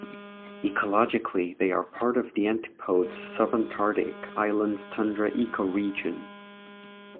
Ecologically, they are part of the Antipodes Subantarctic Islands tundra ecoregion.